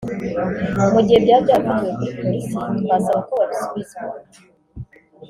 mu gihe byaba byarafatiwe kuri Polisi twasaba ko babisubizwa